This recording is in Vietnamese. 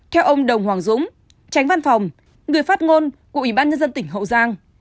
theo ông đồng hoàng dũng tránh văn phòng người phát ngôn của ubnd tỉnh hậu giang